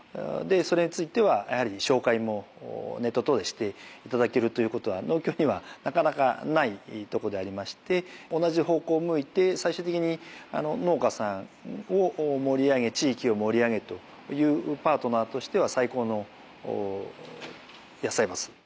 でそれについてはやはり紹介もネット等でして頂けるという事は農協にはなかなかないとこでありまして同じ方向を向いて最終的に農家さんを盛り上げ地域を盛り上げるというパートナーとしては最高のやさいバス。